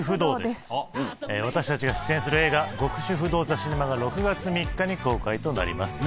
私たちが出演する映画『極主夫道ザ・シネマ』が６月３日に公開となります。